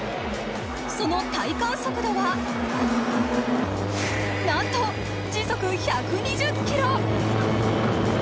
その体感速度は、なんと時速１２０キロ。